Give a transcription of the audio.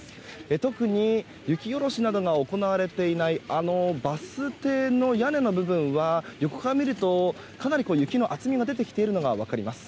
特に雪下ろしなどが行われていないあのバス停の屋根の部分は横から見るとかなり雪の厚みが出てきているのが分かります。